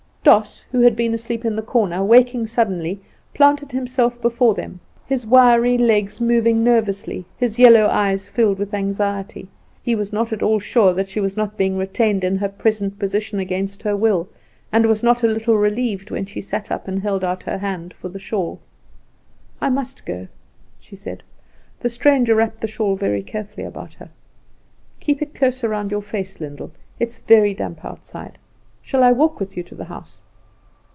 Doss, who had been asleep in the corner, waking suddenly, planted himself before them, his wiry legs moving nervously, his yellow eyes filled with anxiety. He was not at all sure that she was not being retained in her present position against her will, and was not a little relieved when she sat up and held out her hand for the shawl. "I must go," she said. The stranger wrapped the shawl very carefully about her. "Keep it close around your face, Lyndall; it is very damp outside. Shall I walk with you to the house?"